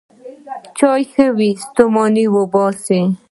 چای ښې وې، ستوماني باسي.